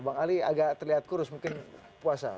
bang ali agak terlihat kurus mungkin puasa